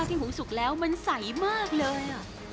ที่หูสุกแล้วมันใสมากเลย